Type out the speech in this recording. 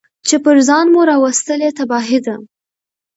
چي پر ځان مو راوستلې تباهي ده